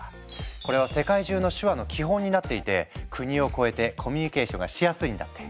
これは世界中の手話の基本になっていて国を超えてコミュニケーションがしやすいんだって。